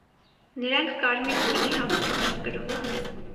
Նրանք կարմիր գույնի հագուստ են կրում։